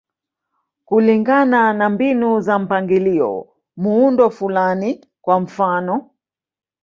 Kulingana na mbinu za mpangilio, muundo fulani, kwa mfano.